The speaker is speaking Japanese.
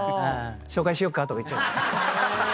紹介しようか？とか言っちゃう。